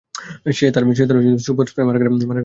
সে তার super spray মারার ক্ষেত্রে সেরা।